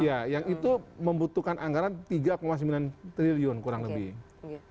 iya yang itu membutuhkan anggaran tiga sembilan triliun kurang lebih